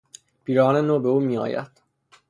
پیراهن نو به او میآید.